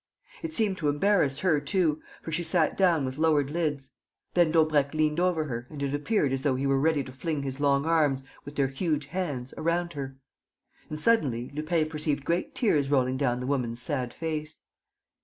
It seemed to embarrass her too, for she sat down with lowered lids. Then Daubrecq leant over her and it appeared as though he were ready to fling his long arms, with their huge hands, around her. And, suddenly, Lupin perceived great tears rolling down the woman's sad face.